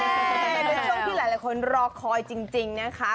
เป็นช่วงที่หลายคนรอคอยจริงนะคะ